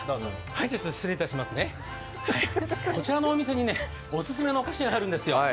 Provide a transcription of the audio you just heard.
こちらのお店にオススメのお菓子があるんですよ。